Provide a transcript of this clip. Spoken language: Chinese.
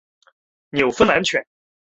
纽芬兰犬。